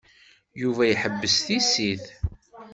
Yuba iḥebbes tissit.